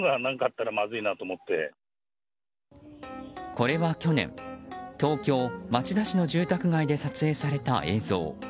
これは去年、東京・町田市の住宅街で撮影された映像。